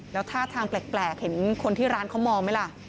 แล้วท่าทางแปลกเห็นคนที่ร้านเขามองไหมล่ะ